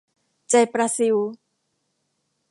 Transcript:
ใจปลาซิว